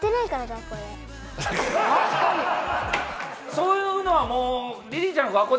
そういうのはもう。